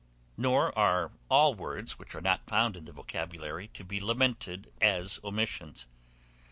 Nor are all words which are not found in the vocabulary, to be lamented as omissions.